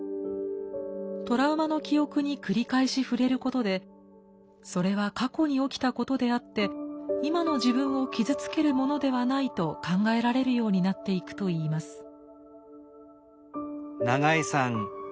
トラウマの記憶に繰り返し触れることでそれは過去に起きたことであって今の自分を傷つけるものではないと考えられるようになっていくといいます。